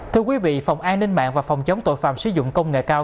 thưa quý vị phòng an ninh mạng và phòng chống tội phạm sử dụng công nghệ cao